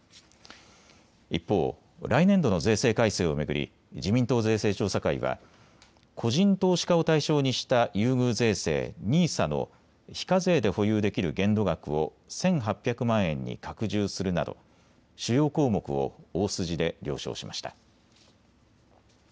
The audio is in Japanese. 一方、来年度の税制改正を巡り自民党税制調査会は個人投資家を対象にした優遇税制、ＮＩＳＡの非課税で保有できる限度額を１８００万円に拡充するなど主要項目を大筋で了承しました。